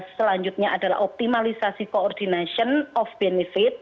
selanjutnya adalah optimalisasi coordination of benefit